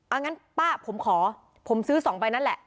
งั้นป้าผมขอผมซื้อ๒ใบนั่นแหละ